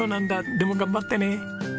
でも頑張ってね。